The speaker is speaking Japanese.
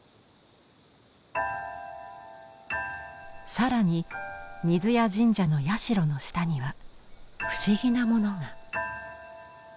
更に水谷神社の社の下には不思議なものが。